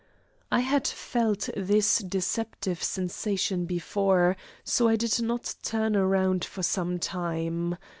I had felt this deceptive sensation before, so I did not turn around for some time.